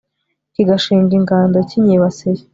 kigashinga ingando kinyibasiye